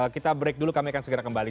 kita break dulu kami akan segera kembali